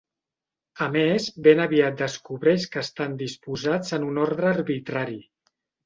A més, ben aviat descobreix que estan disposats en un ordre arbitrari.